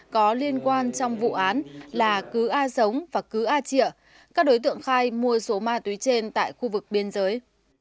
có liên quan trong vụ án là cứ a sống và cứ a chịa các đối tượng khai mua số mạ túy trên tại khu vực biên giới